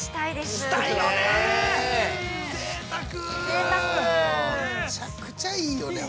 ◆めちゃくちゃいいよね。